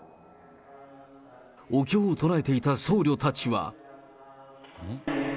お経を唱えていた僧侶たちは。